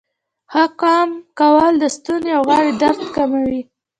ښه قام کول د ستونې او غاړې درد کموي.